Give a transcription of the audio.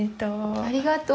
ありがとう。